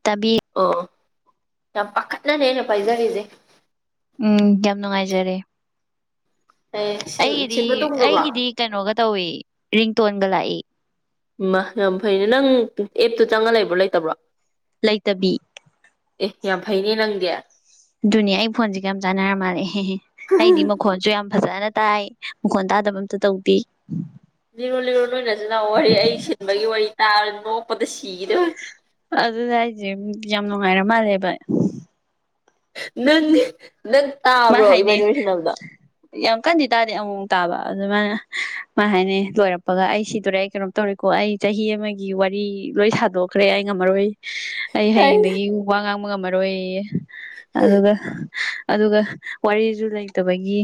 ꯇꯥꯕꯤ ꯑꯣ ꯌꯥꯝ ꯄꯈꯠꯅꯅꯦ ꯑꯩꯅꯟ ꯄꯥꯏꯖꯔꯤꯁꯦ ꯎꯝ ꯌꯥꯝ ꯅꯨꯡꯉꯥꯏꯖꯔꯦ ꯑꯦ ꯑꯩꯒꯤꯗꯤ ꯁꯤꯟꯕ ꯇꯨꯡꯈ꯭ꯔꯕꯣ ꯑꯩꯒꯤꯗꯤ ꯀꯩꯅꯣꯒ ꯇꯧꯏ ꯔꯤꯡꯇꯣꯟꯒ ꯂꯥꯛꯏ ꯎꯝ ꯃꯥ ꯌꯥꯝ ꯐꯩꯅꯦ ꯅꯪ ꯑꯦꯞꯇꯨ ꯆꯪꯉ ꯂꯩꯕ꯭ꯔꯣ ꯂꯩꯇꯕ꯭ꯔꯣ ꯂꯩꯇꯕꯤ ꯑꯦ ꯌꯥꯝ ꯐꯩꯅꯦ ꯅꯪꯗꯦ ꯑꯗꯨꯅꯦ ꯑꯩ ꯐꯣꯟꯁꯤꯒ ꯌꯥꯝ ꯆꯥꯟꯅꯔ ꯃꯥꯜꯂꯦ ꯑꯦꯍꯦꯍꯦ ꯑꯩꯗꯤ ꯃꯈꯣꯟꯁꯨ ꯌꯥꯝ ꯐꯖꯅ ꯇꯥꯏ ꯃꯈꯣꯟ ꯇꯥꯗꯕ ꯑꯝꯇ ꯇꯧꯗꯦ ꯂꯤꯔꯣ ꯂꯤꯔꯣ ꯅꯣꯏ ꯅꯆꯤꯟ ꯅꯅꯥꯎꯒꯤ ꯋꯥꯔꯤ ꯑꯩ ꯁꯤꯟꯕꯒꯤ ꯋꯥꯔꯤ ꯇꯥꯔ ꯅꯣꯛꯄꯗ ꯁꯤ ꯑꯗꯨꯅꯦ ꯍꯥꯏꯁꯦ ꯌꯥꯝ ꯅꯨꯡꯉꯥꯏꯔ ꯃꯥꯜꯂꯦꯕ ꯅꯪꯅꯦ ꯅꯪ ꯃꯥ ꯇꯥꯕ꯭ꯔꯣ ꯏꯕꯥꯅꯤ ꯍꯥꯏꯅꯩ ꯋꯥꯔꯤ ꯁꯥꯟꯅꯕꯗꯣ ꯌꯥꯝ ꯀꯟꯗꯤ ꯇꯥꯗꯦ ꯑꯃꯨꯃꯨꯛ ꯇꯥꯕ ꯑꯗꯨ ꯃꯥꯅ ꯃꯥꯟ ꯍꯥꯏꯅꯤ ꯂꯣꯏꯔꯛꯄꯒ ꯑꯩ ꯁꯤꯗꯣꯔꯦ ꯑꯩ ꯀꯩꯅꯣꯝ ꯇꯧꯔꯦꯀꯣ ꯑꯣ ꯑꯩ ꯆꯍꯤ ꯑꯃꯒꯤ ꯋꯥꯔꯤ ꯂꯣꯏ ꯁꯥꯗꯣꯛꯈ꯭ꯔꯦ ꯑꯩ ꯉꯝꯃꯔꯣꯏꯌꯦ ꯑꯩ ꯍꯌꯦꯡꯗꯒꯤ ꯋꯥ ꯉꯥꯡꯕ ꯉꯝꯃꯔꯣꯏ ꯑꯗꯨꯒ ꯑꯗꯨꯒ ꯋꯥꯔꯤꯁꯨ ꯂꯩꯇꯕꯒꯤ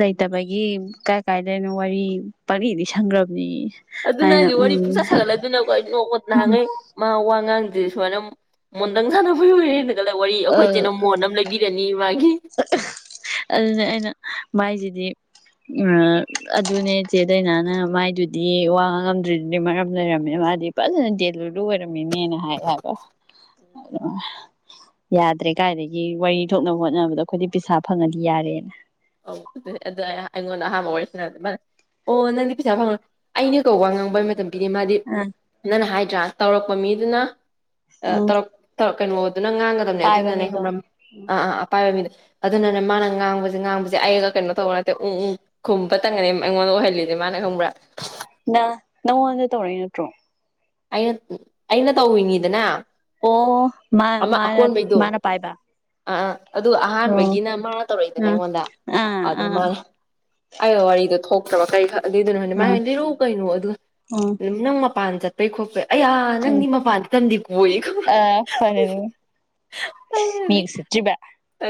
ꯂꯩꯇꯕꯒꯤ ꯀꯥꯏ ꯀꯥꯏꯗꯩꯅꯣ ꯋꯥꯔꯤ ꯄꯔꯤ ꯂꯤ ꯂꯤꯁꯟꯒ꯭ꯔꯝꯅꯦꯌꯦ ꯑꯗꯨꯅ ꯑꯩꯗꯤ ꯋꯥꯔꯤ ꯄꯨꯡꯁꯥ ꯁꯥꯒꯠꯂꯦ ꯑꯗꯨꯅꯀꯣ ꯑꯩ ꯅꯣꯛꯄ ꯅꯍꯥꯡꯒꯩ ꯃꯥ ꯋꯥ ꯉꯥꯡꯗꯦ ꯑꯗꯨ ꯁꯨꯃꯥꯏꯅ ꯃꯣꯟꯗ꯭ꯔꯪ ꯁꯥꯟꯅꯕꯩ ꯑꯣꯏꯔꯦꯅ ꯈꯜꯂ ꯋꯥꯔꯤ ꯑꯩꯈꯣꯏ ꯆꯦꯅ ꯃꯣꯟ ꯑꯃ ꯂꯩꯕꯤꯔꯅꯦꯌꯦ ꯃꯥꯒꯤ ꯑꯍ ꯑꯗꯨꯅ ꯑꯩꯅ ꯃꯥꯏꯖꯤꯗꯤ ꯎꯝ ꯑꯗꯨꯅꯦ ꯆꯦꯗꯩꯅꯥꯅ ꯃꯥꯏꯗꯨꯗꯤ ꯋꯥ ꯉꯝꯗ꯭ꯔꯤꯗꯨꯗꯤ ꯃꯔꯝ ꯂꯩꯔꯝꯃꯦ ꯃꯥꯗꯤ ꯐꯖꯅ ꯗꯦꯜꯂꯨꯗꯨ ꯑꯣꯏꯔꯝꯃꯤꯅꯦꯅ ꯍꯥꯏ ꯍꯥꯏꯕꯅ ꯌꯥꯗ꯭ꯔꯦ ꯀꯥꯏꯗꯒꯤ ꯋꯥꯔꯤ ꯊꯣꯛꯅꯕ ꯍꯣꯠꯅꯕꯗ ꯈꯣꯏꯗꯤ ꯄꯩꯁꯥ ꯐꯪꯉꯗꯤ ꯌꯥꯔꯦꯅ ꯑ ꯑꯗꯨ ꯑꯗꯨ ꯑꯩꯉꯣꯟꯗ ꯑꯍꯥꯟꯕ ꯋꯥꯔꯤꯁ ꯃꯥ ꯑꯣ ꯅꯪꯗꯤ ꯄꯩꯁꯥ ꯐꯪꯉꯣꯏ ꯑꯩꯅ ꯀꯧꯕ ꯉꯥꯡꯕꯩ ꯃꯇꯝꯗ ꯗꯤ ꯃꯥꯗꯤ ꯑ ꯅꯪꯅ ꯍꯥꯏꯗ꯭ꯔꯥ ꯇꯧꯔꯛꯄ ꯃꯤꯗꯨꯅ ꯎꯝ ꯇꯧꯔꯛ ꯀꯩꯅꯣ ꯑꯗꯨꯅ ꯉꯥꯡꯒꯗꯕꯅꯦ ꯄꯥꯏꯕ ꯃꯤꯗꯣ ꯑꯗꯨꯅꯅꯦ꯭ꯔꯝ ꯑꯥ ꯑꯥ ꯑꯄꯥꯏꯕ ꯃꯤꯗꯣ ꯑꯗꯨꯅꯅꯦ ꯃꯥꯅ ꯉꯥꯡꯕꯁꯦ ꯉꯥꯡꯕꯁꯤ ꯑꯩꯅꯥꯒ ꯀꯩꯅꯣ ꯇꯧꯕ ꯅꯠꯇꯦ ꯎꯟ ꯈꯨꯝꯕꯇꯪꯒꯅꯤ ꯑꯩꯉꯣꯟꯗ ꯑꯣꯏꯍꯜꯂꯤꯁꯦ ꯃꯥꯅ ꯈꯨꯝꯕ꯭ꯔꯥ ꯉꯣꯟꯗ ꯇꯧꯔꯛꯏ ꯅꯠꯇ꯭ꯔꯣ ꯑꯩꯅ ꯑꯩꯅ ꯇꯧꯔꯤꯅꯤꯗꯅ ꯑꯣ ꯃꯥ ꯑꯃ ꯃꯥꯅ ꯃꯥꯅ ꯄꯥꯏꯕ ꯑꯗꯨ ꯑꯣ ꯑꯍꯥꯟꯕꯒꯤꯅ ꯃꯥꯅ ꯇꯧꯔꯛꯏꯗꯅ ꯑꯥ ꯑꯩꯉꯣꯟꯗ ꯑꯥ ꯑ ꯑꯥ ꯃꯥꯅ ꯑꯩ ꯋꯥꯔꯤꯗꯣ ꯊꯣꯛ ꯠꯇ ꯀꯩ ꯑꯗꯨꯏꯗꯨꯅꯣ ꯍꯥꯏ ꯃꯥꯏ ꯑꯥ ꯍꯥꯏꯗꯤꯔꯧ ꯀꯩꯅꯣ ꯑꯗꯨꯒ ꯑꯥ ꯑꯗꯨꯝ ꯅꯪ ꯃꯄꯥꯟ ꯆꯠꯄꯩ ꯈꯣꯠꯄꯩ ꯑꯌꯥ ꯑꯥ ꯅꯪꯗꯤ ꯃꯄꯥꯟꯗꯇꯝꯗꯤ ꯀꯣꯏꯀꯣ ꯑ ꯐꯔꯦ ꯃꯤ ꯎꯁꯤꯠꯇꯔꯤꯕꯥ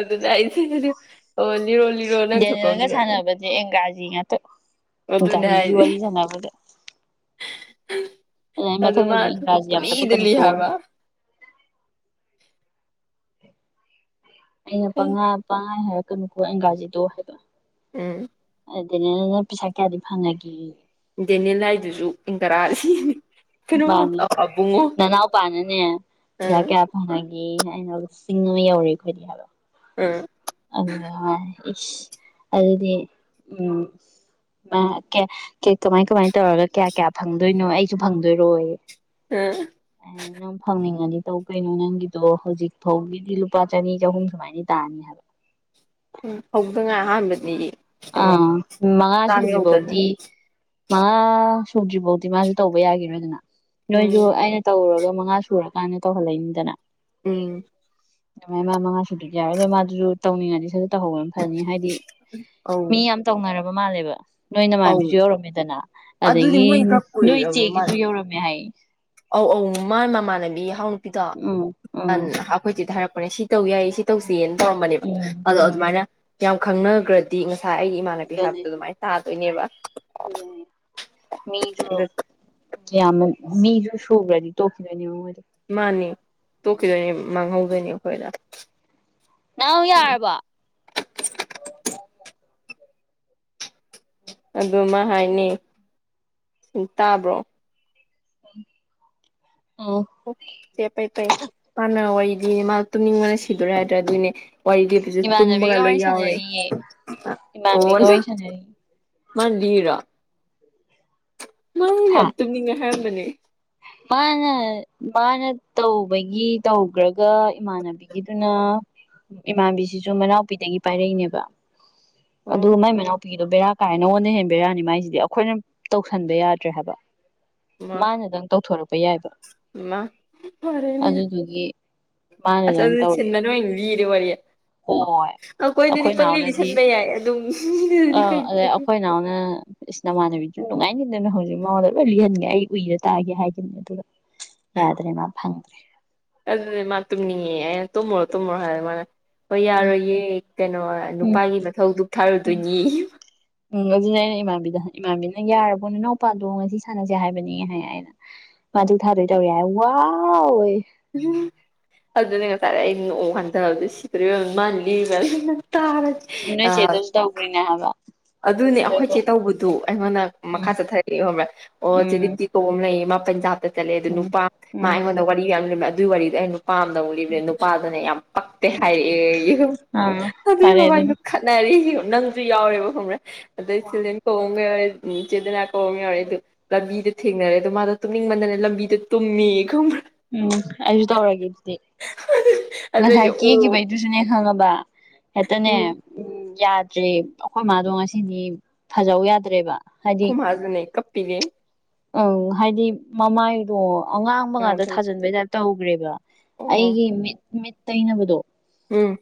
ꯑꯗꯨꯅ ꯑꯩ ꯑꯣ ꯂꯤꯔꯣ ꯂꯤꯔꯣ ꯅꯪ ꯗꯦꯅꯦꯜꯒ ꯊꯣꯛꯀꯅꯤꯔ ꯁꯥꯟꯅꯕꯁꯦ ꯑꯦꯡꯒ꯭ꯔꯥꯖꯤ ꯉꯥꯛꯇ ꯒꯥꯔꯤꯒꯤ ꯋꯥꯔꯤ ꯁꯥꯅꯕꯗꯥ ꯑꯗꯨ ꯑꯩ ꯃꯥ ꯃꯊꯪꯗꯗꯤ ꯊꯣꯛꯄ ꯏꯪꯒꯥꯖ ꯌꯥꯝ ꯄꯨꯂꯤꯗ ꯇꯄꯛꯀꯅꯨ ꯂꯤ ꯀꯣꯟꯅꯤ ꯍꯥꯏꯕ ꯑꯩꯅꯥ ꯄꯥꯉꯟ ꯉꯪ ꯀꯩꯅꯨ ꯀꯣ ꯑꯦꯪꯒꯥꯖꯤꯗꯣ ꯍꯥꯏꯕ ꯎꯝ ꯑꯗꯨꯅ ꯅꯪ ꯄꯩꯁꯥ ꯀꯌꯥꯗꯤ ꯐꯪꯉꯒꯦ ꯗꯦꯅꯦꯜ ꯍꯥꯏꯗꯨꯁꯨ ꯏꯪ ꯇꯔꯥ ꯑꯁꯤꯅꯤ ꯃꯥꯅꯤ ꯅꯥꯅꯥꯎꯄꯥ ꯅꯥꯅꯦ ꯄꯩꯁꯥ ꯑꯥ ꯀꯌꯥ ꯐꯪ ꯑꯩꯅ ꯆꯤꯡ ꯑꯃ ꯌꯧꯔꯦ ꯑꯩꯈꯣꯏꯗꯤ ꯍꯥꯏꯕꯣ ꯎꯝ ꯑ ꯑꯗꯨꯗꯤ ꯎꯝ ꯀꯃꯥꯏ ꯀꯃꯥꯏ ꯇꯧꯔꯒ ꯀꯌꯥ ꯀꯌꯥ ꯐꯪꯗꯣꯏꯅꯣ ꯑꯩꯁꯨ ꯐꯪꯗꯣꯏꯔꯣꯌꯦ ꯑꯩꯅꯥ ꯑꯥ ꯑꯥ ꯅꯪ ꯐꯪꯅꯤꯡꯂꯗꯤ ꯇꯧ ꯀꯩꯅꯣ ꯅꯪꯒꯤꯗꯣ ꯍꯧꯖꯤꯛ ꯐꯥꯎꯒꯤꯗꯤ ꯂꯨꯄꯥ ꯆꯅꯤ ꯆꯍꯨꯝ ꯁꯨꯃꯥꯏꯅꯗꯤ ꯇꯥꯅꯤ ꯍꯥꯏꯕ ꯎꯝ ꯍꯧꯗꯉꯥꯏ ꯑꯍꯥꯟꯕꯗꯤ ꯀꯩꯅꯣ ꯑꯥ ꯃꯉꯥ ꯆꯥꯝ ꯁꯨꯗꯔ꯭ꯤ ꯌꯧꯗꯅ ꯐꯥꯎꯗꯤ ꯃꯉꯥ ꯁꯨꯗ꯭ꯔꯤ ꯐꯥꯎꯗꯤ ꯃꯥꯁꯨ ꯇꯧꯕ ꯌꯥꯈꯤꯔꯣꯏꯗꯅ ꯅꯣꯏꯁꯨ ꯎꯝ ꯑꯩꯅ ꯇꯧꯔꯨꯔꯒ ꯃꯉꯥ ꯁꯨꯔꯀꯥꯟꯗ ꯇꯧꯍꯜꯍꯜꯂꯛꯏꯅꯤꯗꯅ ꯎꯝ ꯑꯗꯨꯃꯥꯏ ꯃꯥ ꯃꯉꯥꯁꯨꯗꯨꯗꯤ ꯌꯥꯎꯋꯦ ꯑꯗꯣ ꯃꯥꯗꯨꯁꯨ ꯇꯧꯅꯤꯡꯉꯗꯤ ꯁꯔꯁꯨ ꯇꯧꯍꯧꯕ ꯑꯃ ꯐꯖꯅꯤ ꯍꯥꯏꯗꯤ ꯑꯧ ꯃꯤ ꯌꯥꯝ ꯇꯧꯅꯔꯕ ꯃꯥꯜꯂꯦꯕ ꯅꯣꯏ ꯑꯧ ꯅꯃꯥꯟꯕꯤꯁꯨ ꯌꯧꯔꯝꯃꯦꯗꯅ ꯑꯗꯨꯗꯤ ꯑꯗꯒꯤ ꯃꯣꯏ ꯈꯔ ꯅꯣꯏ ꯀꯨꯏꯔꯕ ꯏꯆꯦꯒꯤꯁꯨ ꯃꯥꯜꯂꯦ ꯌꯧꯔꯝꯃꯦ ꯍꯥꯏ ꯑꯧ ꯑꯧ ꯃꯥ ꯃꯃꯥꯟꯅꯕꯤ ꯏꯍꯥꯎ ꯅꯨꯄꯤꯗꯣ ꯎꯝ ꯎꯝ ꯑꯩꯈꯣꯏꯁꯤꯗꯤ ꯍꯥꯏꯔꯛꯄꯅꯦ ꯁꯤ ꯇꯧ ꯌꯥꯏꯌꯦ ꯁꯤ ꯎꯝ ꯇꯧꯁꯦꯅ ꯇꯧꯔꯝꯕꯅꯦꯕ ꯎꯝ ꯑꯗꯣ ꯎꯝ ꯑꯗꯨꯃꯥꯏꯅ ꯌꯥꯝ ꯈꯪꯅꯈ꯭ꯔꯗꯤ ꯉꯁꯥꯏ ꯉꯥ ꯑꯩꯒꯤ ꯏꯃꯥꯟꯅꯕꯤ ꯍꯥꯏꯕꯗꯣ ꯑꯗꯨꯃꯥꯏꯅ ꯇꯥꯗꯣꯏꯅꯦꯕ ꯃꯤꯗꯨ ꯑꯗ ꯌꯥꯝ ꯃꯤꯁꯨ ꯁꯨꯒꯔꯥꯗꯤ ꯇꯣꯛꯈꯤꯗꯣꯏꯅꯦꯕꯥ ꯃꯣꯏꯒꯤꯗꯣ ꯃꯥꯅꯤ ꯇꯣꯛꯈꯤꯗꯣꯏꯅꯤ ꯃꯥꯡꯍꯧꯗꯣꯏꯅꯤ ꯑꯩꯈꯣꯏꯗ ꯅꯥꯎ ꯌꯥꯔꯕꯣ ꯑꯗꯨꯃ ꯍꯥꯏꯅꯦ ꯇꯥꯕ꯭ꯔꯣ ꯎꯝ ꯑꯣ ꯐꯦ ꯐꯩ ꯐꯩ ꯃꯥꯅ ꯋꯥꯔꯤꯗꯤꯅꯦ ꯃꯥ ꯇꯨꯝꯅꯤꯡꯕꯅ ꯁꯤꯗꯣꯏꯔꯦ ꯍꯥꯏꯗ꯭ꯔꯥ ꯑꯗꯨꯅꯦ ꯋꯥꯔꯤꯒꯤ ꯑꯗꯨꯁꯨ ꯇꯨꯝꯃꯒ ꯏꯃꯥꯟꯅꯕꯤꯒ ꯂꯣꯏ ꯋꯥꯔꯤ ꯌꯥꯎꯔꯦ ꯁꯥꯟꯅꯔꯤꯌꯦ ꯏꯃꯥꯟꯅꯕꯤꯒ ꯑꯣꯅ ꯋꯥꯔꯤ ꯁꯥꯟꯅꯔꯤ ꯃꯥꯅꯥꯂꯤꯔꯤꯔꯥ ꯃꯥ ꯌꯥꯝ ꯍꯥ ꯇꯨꯝꯅꯤꯡꯉꯦ ꯍꯥꯏꯔꯝꯕꯅꯦ ꯃꯥꯅ ꯃꯥꯅ ꯇꯧꯕꯒꯤ ꯇꯧꯈ꯭ꯔꯒ ꯏꯃꯥꯟꯅꯕꯤꯒꯤꯗꯨꯅ ꯏꯃꯥꯟꯕꯤꯁꯤꯁꯨ ꯃꯅꯥꯎꯄꯤꯗꯒꯤ ꯄꯥꯏꯔꯛꯏꯅꯦꯕ ꯑꯣ ꯑꯗꯨꯒ ꯃꯥꯏ ꯃꯅꯥꯎ ꯀꯄꯤꯗꯣ ꯕꯦꯔꯥ ꯀꯥꯏ ꯅꯉꯣꯟꯗ ꯍꯦꯟ ꯕꯦꯔꯥꯅꯤ ꯃꯥꯏꯁꯤꯗꯤ ꯑꯩꯈꯣꯏꯅ ꯇꯧꯁꯟꯕ ꯌꯥꯗ꯭ꯔꯦ ꯍꯥꯏꯕ ꯃꯥ ꯃꯥꯅꯗꯪ ꯇꯧꯊꯣꯔꯛꯄ ꯌꯥꯏꯕ ꯃꯥ ꯐꯔꯦꯅꯦ ꯑꯗꯨꯗꯨꯒꯤ ꯑꯁ ꯑꯗꯨ ꯁꯤꯕꯅ ꯑꯣꯏꯅ ꯂꯤꯔꯦ ꯋꯥꯔꯤ ꯍ ꯑꯩꯈꯣꯏꯗꯗꯤ ꯑꯩꯈꯣꯏ ꯄꯪꯂꯤ ꯏꯅꯥꯎꯅꯗꯤ ꯂꯤꯁꯟꯕ ꯌꯥꯏ ꯑꯗꯨꯝ ꯃꯤꯗꯨꯗꯤ ꯑ ꯀꯩ ꯑꯗꯩ ꯂꯤꯁꯟ ꯑꯩꯈꯣꯏ ꯏꯅꯥꯎꯅ ꯏꯅꯃꯥꯟꯅꯕꯤꯅꯤ ꯁꯨꯝ ꯅꯨꯡꯉꯥꯏꯅꯤꯗꯅ ꯍꯧꯖꯤꯛ ꯃꯉꯣꯟꯗ ꯂꯣꯏ ꯂꯤꯍꯟꯒꯦ ꯑꯩ ꯎꯏꯔ ꯇꯥꯒꯦ ꯍꯥꯏꯈꯤꯕꯅꯤ ꯑꯗꯨꯒ ꯌꯥꯗ꯭ꯔꯦ ꯃꯥ ꯐꯪ ꯑꯗꯨꯗꯤ ꯃꯥ ꯇꯨꯝꯅꯤꯡꯉꯦ ꯑꯩꯅ ꯇꯨꯝꯃꯨꯔꯣ ꯇꯨꯝꯃꯨꯔꯣ ꯍꯥꯏꯔ ꯃꯥꯅ ꯍꯣꯏ ꯌꯥꯔꯣꯏꯌꯦ ꯀꯩꯅꯣ ꯎꯝ ꯅꯨꯄꯥꯒꯤ ꯃꯊꯧꯗꯨ ꯊꯥꯔꯨꯗꯣꯏꯅꯤ ꯎꯝ ꯑꯗꯨꯅꯦ ꯑꯩꯅ ꯏꯃꯥꯕꯤꯗ ꯏꯃꯥꯕꯤꯅ ꯌꯥꯔꯕꯣ ꯏꯅꯥꯎꯄꯥꯗꯣ ꯉꯁꯤ ꯁꯥꯟꯅꯁꯦ ꯍꯥꯏꯕꯅꯤ ꯍꯥꯏꯌꯦ ꯑꯩꯅ ꯃꯥꯗꯨ ꯊꯥꯗꯣꯏ ꯇꯧꯋꯦ ꯋꯥꯋꯦ ꯑꯗꯨꯅꯦ ꯉꯇꯥꯥꯏꯔꯦ ꯑꯩ ꯅꯣꯛꯑꯣ ꯍꯟꯊꯕꯗ ꯁꯤ ꯃꯌꯥꯝ ꯃꯥꯜꯂꯤ ꯃ ꯇꯔ ꯑ ꯅꯣꯏ ꯆꯦꯗꯁꯨ ꯇꯧꯈ꯭ꯔꯤꯅꯦ ꯍꯥꯏꯕ ꯑꯗꯨꯅꯦ ꯑꯗꯨꯒ ꯑꯩꯈꯣꯏꯆꯦ ꯇꯧꯕꯗꯨ ꯑꯩꯉꯣꯟꯗ ꯃꯈꯥ ꯎꯝ ꯆꯠꯊꯔꯛꯏ ꯈꯕ꯭ꯔꯥ ꯑꯣ ꯆꯦꯗꯤ ꯎꯝ ꯇꯤ ꯇꯣ ꯑꯃ ꯂꯩꯌꯦ ꯄꯟꯖꯥꯕꯇ ꯆꯠꯂꯦ ꯑꯗꯨ ꯎꯝ ꯅꯨꯄꯥ ꯃꯥ ꯎꯝ ꯑꯩꯉꯣꯟꯗ ꯋꯥꯔꯤ ꯌꯥꯝ ꯂꯩꯔꯃꯦ ꯑꯗꯨꯒꯤ ꯋꯥꯔꯤꯗꯣ ꯑꯩ ꯄꯥꯝꯗ ꯎꯔꯤꯕꯕꯗ ꯅꯨꯄꯥꯗꯨꯅ ꯌꯥꯝ ꯄꯛꯇꯦ ꯍꯥꯏꯔꯛꯑꯦ ꯑꯥ ꯑꯗꯨ ꯐꯔꯦ ꯑꯗꯨꯅ ꯃꯃꯗꯨ ꯈꯠꯅꯔꯤ ꯅꯪꯁꯨ ꯌꯥꯎꯔꯦꯕ ꯈꯪꯕ꯭ꯔꯦ ꯑꯗꯩ ꯁꯤꯗꯦꯟ ꯀꯧꯕꯃꯒ ꯏꯆꯦꯗꯅꯥ ꯍꯥꯎ ꯌꯥꯎꯔꯛ ꯑꯗꯨ ꯂꯝꯕꯤꯗꯣ ꯊꯦꯡꯅꯔꯦ ꯑꯗꯣ ꯃꯥꯗꯣ ꯇꯨꯝꯅꯤꯡꯃꯟꯗꯅ ꯂꯝꯕꯤꯗ ꯇꯨꯝꯃꯤ ꯈꯪꯕ꯭ꯔꯥ ꯎꯝ ꯑꯩꯁꯨ ꯇꯧꯔꯒꯦ ꯑꯗꯨꯗꯤ ꯑꯗꯨꯗꯩꯁꯨ ꯉꯁꯥꯏ ꯑꯣ ꯀꯦꯈꯤꯕꯩꯗꯨꯁꯨꯅꯦ ꯈꯪꯉꯕ ꯍꯦꯛꯇꯅꯦ ꯎꯝ ꯌꯥꯗ꯭ꯔꯦ ꯑꯩꯈꯣꯏ ꯃꯥꯗꯣ ꯉꯁꯤꯅꯤ ꯐꯖꯧ ꯌꯥꯗ꯭ꯔꯦꯕ ꯈꯨꯃꯖꯅꯦ ꯀꯞꯄꯤꯒꯦ ꯎꯝ ꯍꯥꯏꯗꯤ ꯃꯃꯥꯏꯗꯣ ꯑꯉꯥꯡꯕ ꯉꯥꯛꯇ ꯊꯥꯖꯟꯕꯩ ꯇꯥꯏꯞ ꯇꯧꯈ꯭ꯔꯦꯕ ꯑꯣ ꯑꯩꯒꯤ ꯃꯤꯠ ꯃꯤꯠ ꯇꯩꯅꯕꯗꯣ ꯎꯝ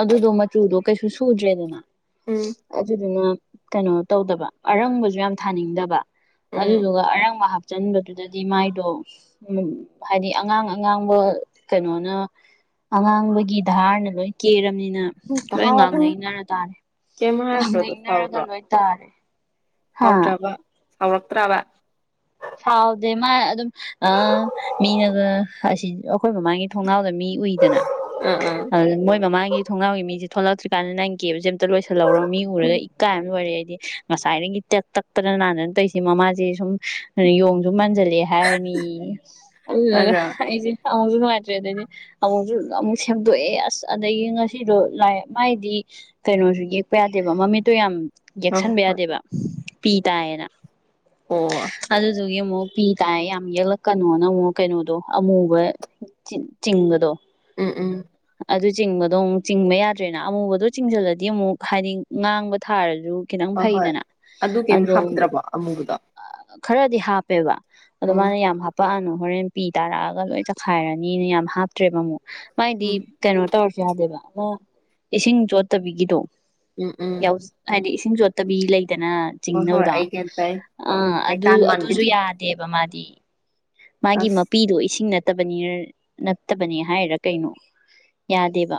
ꯑꯗꯨꯗꯣ ꯃꯆꯨꯗꯣ ꯀꯩꯁꯨ ꯁꯨꯗ꯭ꯔꯦꯗꯅ ꯎꯝ ꯑꯗꯨꯗꯨꯅ ꯀꯩꯅꯣ ꯇꯧꯗꯕ ꯑꯔꯪꯕꯁꯨ ꯌꯥꯝ ꯊꯥꯅꯤꯡꯗꯕ ꯎꯝ ꯑꯗꯨꯗꯨꯒ ꯑꯔꯪꯕ ꯍꯥ ꯆꯟꯕꯗꯨꯗꯗꯤ ꯃꯥꯏꯗꯣ ꯍꯥꯏꯗꯤ ꯑꯉꯥꯡ ꯑꯉꯥꯡꯕ ꯀꯩꯅꯣꯅ ꯑꯉꯥꯡꯕꯒꯤ ꯙꯍꯥꯔꯅ ꯂꯣꯏ ꯀꯦꯔꯕꯅꯤꯅ ꯂꯣꯏ ꯇꯥꯍꯧꯔꯕꯅꯤ ꯉꯥꯡꯅꯅꯔ ꯇꯥꯔꯦ ꯀꯩꯝ ꯍꯥꯏꯔꯛꯇ꯭ꯔꯣꯗꯣ ꯏꯅꯔꯒꯜ ꯍꯣꯏꯇꯥꯔꯦ ꯍꯥꯎꯗ꯭ꯔꯕ ꯁꯥꯎꯔꯛꯇ꯭ꯔꯕ ꯁꯥꯎꯗꯦ ꯃꯥ ꯑꯗꯨꯝ ꯑ ꯃꯤꯅꯒ ꯑꯁꯤ ꯑꯩꯈꯣꯏ ꯃꯃꯥꯡꯒꯤ ꯊꯣꯡꯅꯥꯥꯎꯗ ꯃꯤ ꯎꯏꯗꯅ ꯑꯥ ꯑꯥ ꯑꯗꯨ ꯃꯣꯏ ꯃꯃꯥꯡꯒꯤ ꯊꯣꯡꯒꯥꯎꯒꯤ ꯃꯤꯁꯦ ꯊꯣꯛꯂꯛꯇ꯭ꯔꯤꯀꯥꯟꯗ ꯅꯪ ꯀꯦꯞꯕꯁꯦ ꯑꯝꯇ ꯂꯣꯏꯁꯤꯜꯍꯧꯔꯣ ꯃꯤ ꯎꯔꯒ ꯏꯀꯥꯏꯑꯝ ꯂꯣꯏꯔꯦ ꯉꯁꯥꯏꯒꯤ ꯇꯛ ꯇꯛꯇꯅ ꯅꯥꯗꯅ ꯇꯩꯁꯦ ꯃꯃꯥꯁꯦ ꯁꯨꯝ ꯌꯣꯡꯁꯨꯨꯝ ꯃꯟꯖꯜꯂꯛꯑꯦ ꯗꯦ ꯍꯥꯢꯔꯅꯤ ꯑꯁ ꯑꯗꯨꯒ ꯑꯗ ꯑꯩꯖꯦ ꯑꯃꯨꯛꯁꯨ ꯅꯨꯡꯉꯥꯏꯇ꯭ꯔꯦ ꯑꯗꯩꯗꯤ ꯑꯃꯨꯛꯁꯨ ꯑꯃꯨꯛ ꯁꯦꯝꯗꯣꯛꯑꯦ ꯑꯁ ꯑꯗꯒꯤ ꯉꯁꯤꯗꯣ ꯂꯥꯏ ꯃꯥꯏꯗꯤ ꯀꯩꯅꯣꯁꯨ ꯌꯦꯛꯄ ꯌꯥꯗꯦꯕ ꯃꯃꯤꯠꯇꯣ ꯌꯥꯝ ꯍꯣꯏ ꯍꯣꯏ ꯌꯦꯛꯁꯟꯕ ꯍꯣꯏ ꯌꯥꯗꯦꯕ ꯄꯤ ꯇꯥꯏꯌꯦꯅ ꯑꯣ ꯑꯗꯨꯗꯨꯒꯤ ꯑꯃꯨꯛ ꯄꯤ ꯇꯥꯏ ꯌꯥꯝ ꯌꯦꯛꯂꯛꯀꯅꯣꯅ ꯑꯃꯨꯛ ꯀꯩꯅꯣꯗꯣ ꯑꯃꯨꯕ ꯆꯤꯡ ꯆꯤꯡꯒꯗꯣ ꯎꯝ ꯎꯝ ꯑꯗꯨ ꯆꯤꯡꯕꯗꯣ ꯑꯃꯨꯛ ꯆꯤꯡꯕ ꯌꯥꯗ꯭ꯔꯦꯅ ꯑꯃꯨꯕꯗꯣ ꯆꯤꯡꯁꯤꯜꯂꯗꯤ ꯑꯃꯨꯛ ꯍꯥꯏꯗꯤ ꯉꯥꯡꯕ ꯊꯥꯔꯁꯨ ꯈꯤꯇꯪ ꯍꯣꯏ ꯍꯣꯏ ꯐꯩꯗꯅ ꯑꯗꯨ ꯀꯩꯝ ꯑꯗꯣ ꯍꯥꯞꯈꯤꯗ꯭ꯔꯕꯣ ꯑꯃꯨꯕꯗꯣ ꯈꯔꯗꯤ ꯍꯥꯞꯄꯦꯕ ꯑꯗꯣ ꯎꯝ ꯃꯥꯅ ꯌꯥꯝ ꯍꯥꯞꯄꯛꯑꯅꯨ ꯍꯣꯔꯦꯟ ꯄꯤ ꯇꯥꯔꯛꯑꯒ ꯂꯣꯏ ꯆꯛꯈꯥꯏꯔꯅꯤꯅ ꯌꯥꯝ ꯍꯥꯞꯇ꯭ꯔꯦꯕ ꯑꯃꯨꯛ ꯃꯥꯏꯗꯤ ꯎꯝ ꯀꯩꯅꯣ ꯇꯧꯔꯁꯨ ꯌꯥꯗꯦꯕ ꯑꯗꯨ ꯏꯁꯤꯡ ꯆꯣꯠꯇꯕꯤꯒꯤꯗꯣ ꯎꯝ ꯎꯝ ꯌꯥꯎ ꯍꯥꯏꯗꯤ ꯆꯁꯤꯡ ꯆꯣꯠꯇꯕꯤ ꯂꯩꯗꯅ ꯍꯣꯏ ꯍꯣꯏ ꯆꯤꯡꯅꯕꯗꯣ ꯑꯩ ꯒ꯭ꯌꯥꯟ ꯇꯥꯏ ꯑ ꯑꯗꯨ ꯃꯩꯇꯥꯟ ꯑꯗꯨꯁꯨ ꯃꯥꯟꯕꯤꯗꯣ ꯌꯥꯗꯦꯕ ꯃꯥꯗꯤ ꯃꯥꯒꯤ ꯑꯁ ꯃꯄꯤꯗꯣ ꯏꯁꯤꯡ ꯅꯠꯇꯦ ꯅꯠꯇꯕꯅꯤ ꯅꯠꯇꯕꯅꯤ ꯍꯥꯏꯔ ꯀꯩꯅꯣ ꯌꯥꯗꯦꯕ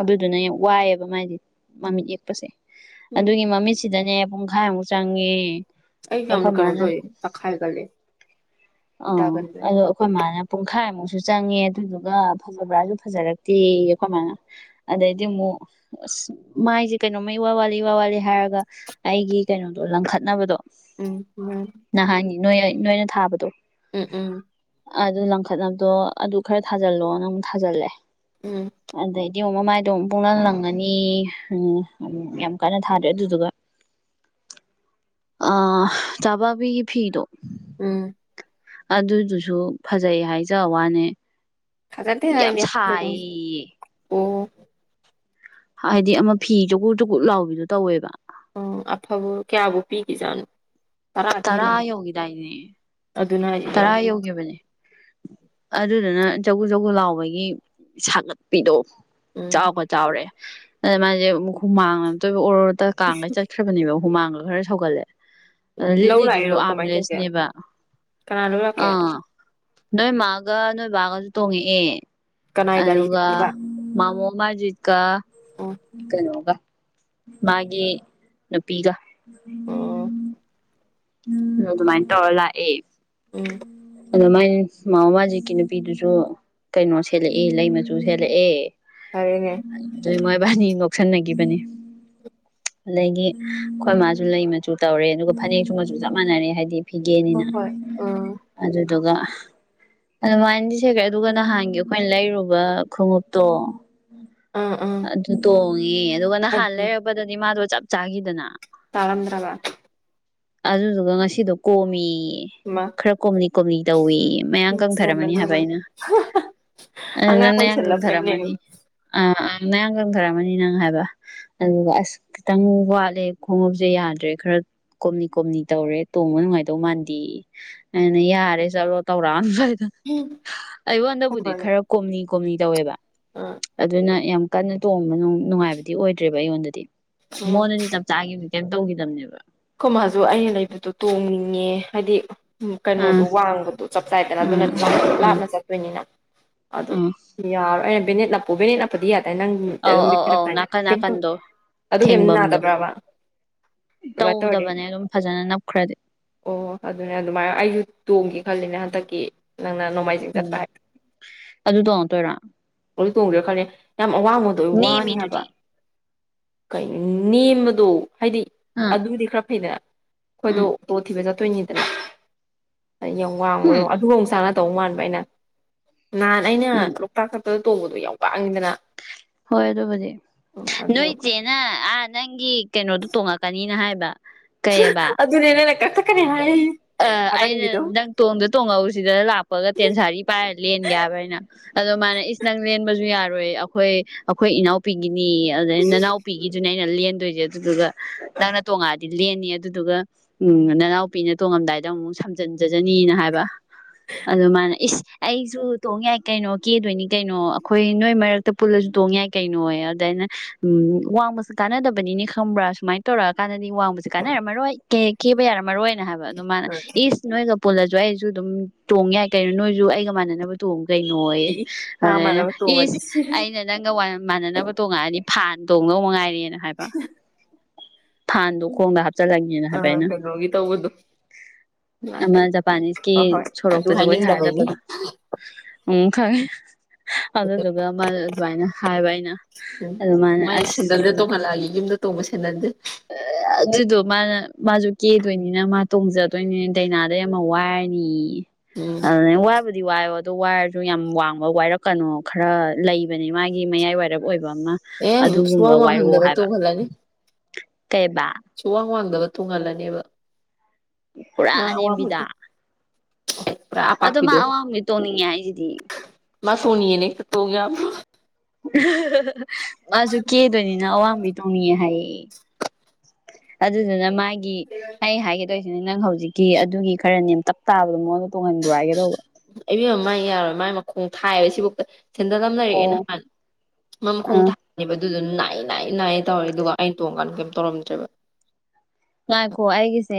ꯑꯗꯨꯗꯨꯅ ꯌꯥꯝ ꯋꯥꯏꯑꯦꯕ ꯃꯥꯗꯤ ꯃꯃꯤꯠ ꯌꯦꯛꯄꯁꯦ ꯎꯝ ꯑꯗꯨꯒꯤ ꯃꯃꯤꯠꯁꯤꯗꯅꯦ ꯄꯨꯡꯈꯥꯏꯃꯨꯛ ꯆꯪꯉꯦ ꯑꯩ ꯑꯩꯈꯣꯏ ꯌꯥꯝꯅ ꯃꯥꯅ ꯀꯣꯅꯣꯇꯧꯌꯦ ꯇꯛꯈꯥꯏꯒꯂꯦ ꯑ ꯑꯣ ꯑꯩꯈꯣꯏ ꯃꯥ ꯅ ꯄꯨꯡꯈꯥꯏꯃꯨꯛꯁꯨ ꯆꯪꯉꯦ ꯑꯗꯨꯗꯨꯒ ꯐꯖꯕ꯭ꯔꯥꯁꯨ ꯐꯖꯔꯛꯇꯦꯌꯦ ꯈꯣꯢꯃꯅ ꯑꯗꯩꯗꯤ ꯃꯨꯛ ꯑꯃꯛ ꯑꯁ ꯃꯥꯏꯁꯦ ꯀꯩꯅꯣꯃ ꯢꯋꯥ ꯋꯥꯠꯂꯤ ꯢꯋꯥ ꯋꯥꯠꯂꯤ ꯍꯥꯏꯔꯒ ꯑꯩꯒꯤ ꯀꯩꯅꯣꯗꯣ ꯂꯪꯈꯠꯅꯕꯗꯣ ꯎꯝ ꯅꯍꯥꯟꯒꯤ ꯅꯣꯏ ꯅꯣꯏꯅ ꯊꯥꯕꯗꯣ ꯎꯝ ꯎꯝ ꯑꯗꯨ ꯂꯪꯈꯠꯅꯕꯗꯣ ꯑꯗꯨ ꯈꯔ ꯊꯥꯖꯜꯂꯣ ꯅꯃꯨꯛ ꯊꯥꯖꯜꯂꯦ ꯎꯝ ꯑꯗꯩ ꯗꯤꯌꯦꯡ ꯃꯃꯥꯏꯗꯣ ꯑꯃꯨꯛ ꯄꯡꯂꯪ ꯂꯪꯉꯅꯤ ꯌꯥꯝ ꯀꯟꯅ ꯊꯥꯗ꯭ꯔꯦ ꯑꯗꯨꯗꯨꯒ [inaudible] ꯑ ꯆꯥꯕꯕꯤ ꯐꯤꯗꯣ ꯎꯝ ꯑꯗꯨꯗꯨꯁꯨ ꯐꯖꯩ ꯍꯥꯏꯖ ꯋꯥꯅꯦ ꯐꯖꯗꯅ ꯌꯥꯝ [unintelligible] ꯁꯥꯏꯌꯦ ꯑꯣ ꯍꯥꯏꯗꯤ ꯑꯃ ꯐꯤ ꯆꯀꯨꯠ ꯆꯨꯀꯨꯠ ꯂꯥꯎꯒꯤꯗꯣ ꯇꯧꯋꯦꯕ ꯎ ꯑꯐꯕ ꯀꯌꯥꯕꯨ ꯄꯤꯈꯤꯖꯥꯠꯅꯣ ꯇꯔꯥꯗꯤ ꯇꯔꯥ ꯍꯦꯜꯂꯝꯃꯤ ꯌꯧꯒꯤꯗꯥꯏꯅꯦ ꯑꯗꯨꯅ [unintelligible] ꯑꯗꯨꯗꯨꯅ ꯖꯒꯨ ꯖꯒꯨ ꯂꯥꯎꯕꯒꯤ ꯁꯥꯒꯠꯄꯤꯗꯣ ꯎꯝ ꯆꯥꯎꯕ ꯆꯥꯎꯔꯦ ꯑꯗ ꯃꯥꯁꯦ ꯍꯨꯃꯥꯡꯃꯨꯛꯇꯣꯏꯕ ꯑꯣꯔ ꯑꯣꯔꯗ ꯀꯥꯡꯒ ꯆꯠꯈ꯭ꯔꯕꯅꯦꯕ ꯍꯨꯃꯥꯡꯒ ꯈꯔ ꯁꯧꯒꯠꯂꯦ ꯑꯗ ꯂꯧ ꯂꯤꯠꯂꯤꯗꯨꯁꯨ ꯑꯥꯝꯂꯦꯁꯅꯦꯕ ꯀꯅꯥꯅ ꯂꯧ ꯂꯥꯛꯀꯦ ꯑꯥ ꯅꯣꯏ ꯃꯥꯒ ꯅꯣꯏ ꯕꯥꯒꯁꯨ ꯇꯣꯡꯉꯛꯑꯦ ꯀꯅꯥꯏ ꯑꯗꯨꯒ ꯒꯥꯔꯤꯗꯅꯣꯕ ꯃꯥꯃꯣ ꯃꯁꯖꯤꯠꯀ ꯑꯣ ꯀꯩꯅꯣꯒ ꯃꯥ ꯅꯨꯄꯤꯒ ꯑꯣ ꯎꯝ ꯑꯗꯨꯃꯥꯏꯅ ꯇꯧꯔ ꯂꯥꯛꯑꯦ ꯎꯝ ꯑꯗ ꯃꯥꯏ ꯃꯥꯃ ꯃꯥꯖꯤꯛꯀꯤ ꯅꯨꯄꯤꯗꯨꯁꯨ ꯀꯩꯅꯣ ꯁꯦꯠꯂꯛꯑꯦ ꯂꯩ ꯃꯆꯨ ꯁꯦꯠꯂꯛꯑꯦ ꯐꯔꯅꯦ ꯕꯥꯅꯤ ꯂꯧꯁꯤꯟꯅꯈꯤꯕꯅꯤ ꯑꯗꯒꯤ ꯑꯩꯈꯣꯏ ꯃꯥꯁꯨ ꯂꯩ ꯃꯆꯨ ꯇꯧꯔꯦ ꯑꯗꯨꯒ ꯐꯅꯦꯛ ꯁꯨꯝ ꯃꯁꯨ ꯆꯞ ꯃꯥꯟꯅꯔꯦ ꯍꯥꯏꯗꯤ ꯍꯣꯏ ꯐꯤꯒꯦꯅꯤꯅ ꯍꯣꯏ ꯎꯝ ꯑꯗꯨꯗꯨꯒ ꯑꯗꯨꯃꯥꯏꯅꯗꯤ ꯁꯈ꯭ꯔꯦ ꯑꯗꯨꯒ ꯅꯍꯥꯟꯒꯤ ꯑꯩꯈꯣꯏꯅ ꯂꯩꯔꯨꯕ ꯈꯣꯡꯎꯞꯇꯣ ꯑꯥ ꯑꯥ ꯑꯗꯨ ꯇꯣꯡꯉꯦ ꯑꯗꯨꯒ ꯅꯍꯥꯟ ꯂꯩꯔꯛꯔꯕꯗꯗꯤ ꯃꯥꯗꯣ ꯆꯞ ꯆꯥꯈꯤꯗꯅ ꯇꯂꯗꯔꯂ ꯑꯗꯨꯗꯨꯒ ꯉꯁꯤꯗꯣ ꯀꯣꯃꯤ ꯃꯥ ꯈꯔ ꯀꯣꯝꯂꯤ ꯀꯣꯝꯂꯤ ꯇꯧꯋ ꯃꯌꯥꯝ ꯁꯤꯗꯟ ꯀꯪꯊꯔꯝꯃꯅꯤ ꯃꯅꯨꯡ ꯍꯥꯏꯕ ꯑꯩꯅ ꯑ ꯑꯉꯥꯡ ꯅꯟꯅ ꯍꯪꯙꯔ ꯑꯣꯏꯁꯜꯂꯛꯄꯩꯅꯦ ꯃꯅꯤ ꯑ ꯃꯌꯥꯡꯒꯪ ꯈꯔꯝꯃꯅꯤ ꯅꯪ ꯍꯥꯏꯕ ꯑꯗꯨꯒ ꯑꯁ ꯈꯤꯇꯪ ꯋꯥꯠꯂꯦ ꯈꯣꯡꯎꯞꯁꯦ ꯌꯥꯗ꯭ꯔꯦ ꯈꯔ ꯀꯣꯝꯅꯤ ꯀꯣꯝꯅꯤ ꯇꯧꯔꯦ ꯇꯣꯡꯕ ꯅꯨꯡꯉꯥꯏꯗꯧ ꯃꯥꯟꯗꯦ ꯑꯩꯅ ꯌꯥꯔꯦ ꯆꯠꯂꯣ ꯇꯧꯔꯛꯑꯏꯗ ꯑꯩꯉꯣꯟꯗꯕꯨꯗꯤ ꯈꯔ ꯀꯣꯝꯅꯤꯡ ꯀꯨꯝꯅꯤ ꯇꯧꯋꯦꯕ ꯎꯝ ꯑꯗꯨꯅ ꯌꯥꯝ ꯀꯟꯅ ꯇꯣꯡꯕ ꯅꯨꯡꯉꯥꯏꯕꯗꯤ ꯑꯣꯏꯗ꯭ꯔꯦꯕ ꯑꯩꯉꯣꯟꯗꯗꯤ ꯃꯣꯟꯅꯗꯤ ꯆꯞ ꯆꯥꯒꯤꯗꯤ ꯀꯩꯝ ꯇꯧꯈꯤꯗꯕꯅꯦꯕ ꯀꯃꯁꯨ ꯑꯩꯅ ꯂꯩꯕꯗꯣ ꯇꯣꯡꯅꯤꯡꯉꯦ ꯍꯥꯏꯗꯤ ꯎ ꯀꯩꯅꯣꯗꯣ ꯑꯥ ꯋꯥꯡꯕꯗꯣ ꯆꯞ ꯆꯥꯏꯗꯅ ꯑꯥ ꯑꯗꯨꯅꯗꯤ ꯑꯥ ꯑꯥ ꯂꯥꯞꯅ ꯆꯠꯇꯣꯏꯅꯤꯅ ꯑꯗꯣ ꯑꯥ ꯌꯥꯔꯣꯏ ꯑꯩꯅ ꯕꯦꯅꯦꯠ ꯅꯞꯄꯨ ꯕꯦꯅꯦꯠ ꯞꯄꯗꯤ ꯌꯥꯗꯦ ꯑ ꯅꯪ ꯑꯧ ꯑꯧ ꯑꯧ ꯑꯗꯨꯝꯇ ꯅꯥꯀꯟ ꯅꯥꯀꯟꯗꯣ ꯑꯗꯨ ꯀꯩꯝ ꯊꯦꯡꯕꯝꯗꯣ ꯅꯥꯗꯕ꯭ꯔꯕ ꯑꯗꯨꯃꯥꯏꯅ ꯇꯧꯔ ꯇꯧꯗꯕꯅꯦ ꯑꯗꯨꯝ ꯐꯖꯅ ꯅꯞꯈ꯭ꯔꯗꯤ ꯑꯣ ꯑꯗꯨꯅꯦ ꯑꯗꯨꯃꯥꯏꯅ ꯑꯩꯁꯨ ꯇꯣꯡꯒꯦ ꯈ ꯅ ꯍꯟꯗꯛꯀꯤ ꯅꯪꯅ ꯅꯣꯡꯃꯥꯏꯖꯤꯡ ꯆꯠꯄ ꯎꯝ ꯍꯥꯏ ꯑꯗꯨ ꯇꯣꯡꯉꯛꯇꯣꯏꯔꯣ ꯑꯗꯨ ꯇꯣꯡꯗꯔꯥ ꯈꯂꯦ ꯌꯥꯝ ꯑꯋꯥꯡꯕꯗꯣ ꯑꯣꯏ ꯋꯥꯅꯤ ꯍꯥꯏꯕ ꯅꯦꯝꯃꯤꯗꯨꯗꯤ ꯅꯦꯝꯕꯗꯣ ꯍꯥꯏꯗꯤ ꯑꯥ ꯑꯗꯨꯗꯤ ꯈꯔ ꯐꯩꯗꯅ ꯑꯥ ꯑꯩꯈꯣꯏꯗꯣ ꯑꯣꯇꯣ ꯊꯤꯕ ꯆꯠꯇꯣꯏꯅꯤꯗꯅ ꯌꯥꯝ ꯋꯥꯡꯕꯗꯣ ꯍꯝ ꯑꯗꯨꯒ ꯑꯃꯨꯛ ꯆꯥꯅ ꯇꯧ ꯃꯥꯟꯕ ꯑꯩꯅ ꯅꯍꯥꯟ ꯑꯩꯅ ꯎꯝ ꯂꯣꯛꯇꯥꯛ ꯗ ꯇꯣꯡꯕꯗꯣ ꯌꯥꯝ ꯋꯥꯡꯉꯤꯗꯅ ꯍꯣꯏ ꯑꯗꯨꯕꯨꯗꯤ ꯎꯝ ꯅꯣꯏ ꯑꯗꯨ ꯏꯆꯦꯅ ꯑꯥ ꯅꯪꯒꯤ ꯀꯩꯅꯣꯗꯨꯣ ꯇꯣꯡꯉꯛꯀꯅꯤꯅ ꯍꯥꯏꯕ ꯀꯩꯑꯕ ꯑꯗꯨꯅꯦ ꯅꯪꯅ ꯀꯊꯛꯀꯅꯤ ꯍꯥꯏ ꯑ ꯑꯩꯅ ꯑꯔꯪꯕꯤꯗꯣ ꯅꯪ ꯇꯣꯡꯗ ꯇꯣꯡꯉꯎꯁꯤꯗ ꯂꯥꯛꯄꯒ ꯇꯦꯟꯁꯥꯔꯤ ꯄꯥꯏꯔ ꯂꯦꯟꯒꯦ ꯍꯥꯏꯕ ꯑꯩꯅ ꯑꯗꯨ ꯃꯥꯅ ꯏꯁ ꯅꯪ ꯂꯦꯟꯕꯁꯨ ꯌꯥꯔꯣꯏ ꯑꯩꯈꯣꯏ ꯑꯩꯈꯣꯏ ꯏꯅꯥꯎꯄꯤꯒꯤꯅꯤ ꯑꯗꯩ ꯅꯅꯥꯎꯄꯤꯒꯤꯁꯨꯅꯦ ꯣꯏꯗꯨ ꯅꯉ ꯑꯗꯨꯗꯨꯒ ꯎ ꯅꯅꯥꯎꯄꯤꯅꯉꯝꯗꯥꯏ ꯗ ꯑꯃꯨꯛ ꯁꯝꯖꯤꯟꯖꯖꯅꯤꯅ ꯍꯥꯏꯕ ꯑꯗꯨꯃꯅ ꯏꯁ ꯑꯩꯁꯨ ꯇꯣꯡ ꯌꯥꯏ ꯀꯩꯅꯣ ꯀꯦꯗꯣꯏꯅꯤ ꯀꯩꯅꯣ ꯑꯩꯈꯣꯏ ꯅꯣꯏ ꯃꯔꯛꯇ ꯄꯨꯜꯂꯁꯨ ꯇꯣꯡ ꯌꯥꯏ ꯀꯩꯅꯣ ꯑꯗꯨꯗꯥꯏꯅ ꯎꯝ ꯋꯥꯡꯃꯁꯨ ꯀꯥꯟꯅꯗꯕꯅꯤ ꯈꯪꯕ꯭ꯔꯥ ꯁꯨꯃꯥꯏꯅ ꯇꯧꯔꯛꯑꯀꯥꯟꯗꯗꯤꯕ ꯀꯥꯟꯅꯔꯝꯃꯔꯣꯏ ꯀ ꯀꯦꯕ ꯌꯥꯔꯝꯃꯔꯣꯏ ꯍꯥꯏꯕ ꯑꯣ ꯃꯥꯅ ꯏꯁ ꯅꯣꯏꯒ ꯄꯨꯜꯂꯁꯨ ꯑꯩꯁꯨ ꯑꯗꯨꯝ ꯇꯣꯡꯉ ꯌꯥꯏ ꯀꯩꯅꯣ ꯅꯣꯏꯁꯨ ꯑꯩꯒ ꯃꯥꯟꯅꯅꯕ ꯇꯣꯡꯉ ꯀꯩꯅꯣ ꯈꯤꯛꯏ ꯃꯥ ꯑꯗꯨꯅ ꯃꯥꯟꯅꯕ ꯏꯁ ꯇꯣꯡꯉꯗꯤ ꯁꯤꯔꯅꯤ ꯑꯩꯅ ꯅꯪꯒ ꯃꯥꯟꯅꯅꯕ ꯇꯣꯡꯉꯛꯑꯅꯤ ꯐꯥꯟ ꯇꯣꯡꯗ ꯃꯉꯥꯏꯔꯦꯅ ꯍꯥꯏꯕ ꯊꯥꯟꯗꯣ ꯈꯣꯡꯗ ꯍꯥꯞꯆꯤꯜꯂꯒꯦꯅ ꯍꯥꯏꯕ ꯑꯥ ꯑꯩꯅ ꯀꯩꯅꯣꯒꯤ ꯇꯧꯕꯗꯣ ꯑꯃ ꯂꯥꯛꯀꯅꯤ ꯖꯄꯥꯅꯤꯁꯀꯤ ꯍꯣꯏ ꯍꯣꯏ ꯑꯗꯨ ꯁꯣꯔꯣꯛꯇ ꯖꯒꯣꯏ ꯁꯥꯔ ꯍꯥꯏꯅꯤꯡꯗꯕꯒꯤ ꯆꯠꯄꯗꯣ ꯎ ꯈꯪꯉꯦ ꯑꯗꯨꯗꯨꯒ ꯑꯗꯨꯨꯃꯥꯏꯅ ꯍꯥꯏꯕ ꯑꯩꯅ ꯎꯝ ꯑꯗꯨꯃꯥꯏꯅ ꯑꯁ ꯇꯧꯕꯁꯦ ꯅꯗꯦ ꯑꯣ ꯑꯗꯨꯗꯣ ꯃꯥꯅ ꯃꯥꯁꯨ ꯀꯦꯗꯣꯏꯅꯤꯅ ꯃꯥ ꯇꯣꯡꯖꯗꯣꯏꯅꯤꯅ ꯗꯥꯏꯅꯥꯗ ꯌꯥꯝ ꯋꯥꯏꯔꯅꯤ ꯎꯝ ꯑ ꯋꯥꯕ ꯗꯤ ꯋꯥꯏꯔꯣ ꯑꯣ ꯋꯥꯏꯔꯁꯨ ꯌꯥꯝ ꯋꯥꯡꯕ ꯋꯥꯏꯔꯛꯀꯅꯣ ꯈꯔ ꯂꯩꯕꯅꯦ ꯃꯥꯒꯤ ꯃꯌꯥꯏ ꯋꯥꯏꯔꯞ ꯑꯣꯏꯕ ꯑꯃ ꯑꯦ ꯑꯗꯨꯒꯨꯝꯕ ꯁꯨꯋꯥꯡ ꯋꯥꯏꯔꯛꯑꯣ ꯋꯥꯡꯍꯟꯗꯕ ꯍꯥꯏꯕ ꯇꯣꯡꯍꯜꯂꯅꯤ ꯀꯩꯕꯥ ꯁꯨꯋꯥꯡ ꯋꯥꯡꯗꯕ ꯇꯣꯡꯍꯜꯂꯅꯦꯕ ꯄꯨꯔꯥ ꯃꯥ ꯑꯅꯦꯝꯕꯤꯗ ꯑꯋꯥꯡꯕꯗꯣ ꯄꯨꯔꯥ ꯑꯗꯣ ꯃꯥ ꯑꯄꯥꯛꯄꯤꯗꯣ ꯑꯋꯥꯕꯗꯤ ꯇꯣꯡꯅꯤꯡꯉꯦ ꯍꯥꯏꯁꯤꯗꯤ ꯃ ꯁ ꯎꯅꯤꯅꯦ ꯇꯣꯡꯒ ꯃꯥꯁꯨ ꯀꯦꯗꯣꯏꯅꯤꯅ ꯑꯋꯥꯡꯕ ꯇꯣꯡꯅꯤꯡꯌꯦꯦ ꯍꯥꯏꯌꯦ ꯑꯗꯨꯗꯨꯅ ꯃꯥꯒꯤ ꯑꯩ ꯍꯥꯏꯒꯗꯣꯏ ꯅꯪ ꯍꯧꯖꯤꯛꯀꯤ ꯑꯗꯨꯒꯤ ꯈꯔꯅꯦ ꯇꯞ ꯇꯥꯕꯗꯣ ꯃꯑꯣꯣꯟꯗ ꯑꯕꯦꯝ ꯃꯥꯏ ꯌꯥꯔꯣꯏ ꯃꯥꯏ ꯃꯈꯣꯡ ꯊꯥꯏꯑꯕ ꯁꯤꯐꯧꯛꯇ ꯁꯦꯟꯗꯂꯝ ꯂꯩꯔꯛꯑꯦ ꯑꯣ ꯅꯍꯥꯟ ꯑ ꯃꯈꯣꯡ ꯊꯥꯕ ꯑꯗꯨꯗꯨ ꯅꯥꯏ ꯅꯥꯏ ꯅꯥꯏꯌꯦ ꯇꯧꯔꯏ ꯑꯗꯨꯒ ꯑꯩꯅ ꯇꯣꯡꯀꯥꯟꯗ ꯀꯩꯝ ꯇꯧꯔꯝꯗ꯭ꯔꯦꯕ ꯉꯥꯏꯈꯣ ꯑꯩꯒꯤꯁꯦ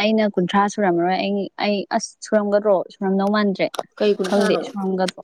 ꯑꯩꯅ ꯀꯨꯟꯊ꯭ꯔꯥ ꯁꯨꯔꯝꯃꯔꯣꯏ ꯑꯩ ꯑꯩ ꯑꯁ ꯁꯨꯔꯝꯒꯗ꯭ꯔꯣ ꯁꯝ ꯅꯧ ꯃꯥꯟꯗ꯭ꯔꯦ ꯀꯩ ꯈꯪꯗꯦ ꯀꯨꯟꯊ꯭ꯔꯥꯅꯣ ꯁꯨꯔꯝꯒꯗ꯭ꯔꯣ